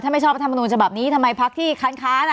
ถ้าไม่ชอบประธานมนุษย์ฉบับนี้ทำไมพักที่ค้านค้านอ่ะ